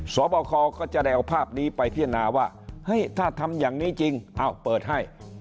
สอบคอก็จะได้เอาภาพนี้ไปพิจารณาว่าเฮ้ยถ้าทำอย่างนี้จริงอ้าวเปิดให้